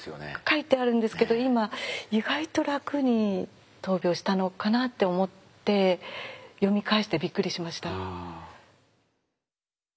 書いてあるんですけど今意外と楽に闘病したのかなって思って読み返してびっくりしました。